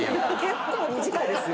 結構短いですよ。